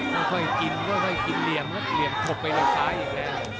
ไม่ค่อยกินค่อยกินเหลี่ยมแล้วเหลี่ยมถบไปเลยซ้ายอีกแล้ว